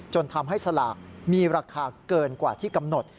จนทำให้สลากมีราคาเกินกว่าที่กำหนด